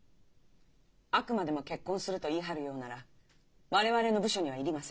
あくまでも結婚すると言い張るようなら我々の部署には要りません。